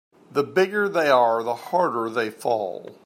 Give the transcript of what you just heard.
The bigger they are the harder they fall.